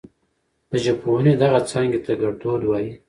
د ژبپوهنې دغې څانګې ته ګړدود وايي.